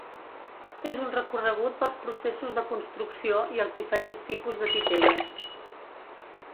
És un recorregut pels processos de construcció i els diferents tipus de titelles.